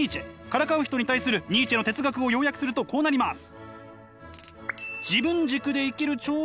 からかう人に対するニーチェの哲学を要約するとこうなります。